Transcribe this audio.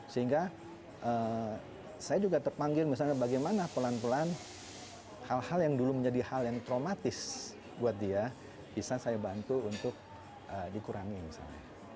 sehingga saya juga terpanggil misalnya bagaimana pelan pelan hal hal yang dulu menjadi hal yang traumatis buat dia bisa saya bantu untuk dikurangi misalnya